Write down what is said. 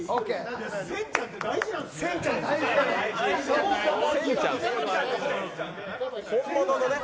せんちゃんって大事なんですね。